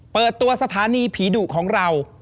เปิดตัวสถานีผีดุของเรา